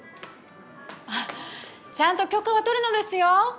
ちゃんと許可は取るのですよ。